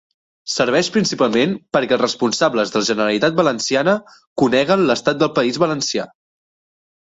Serveix principalment perquè els responsables de la Generalitat Valenciana coneguen l'estat del País Valencià.